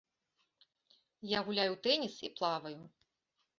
Я гуляю ў тэніс і плаваю.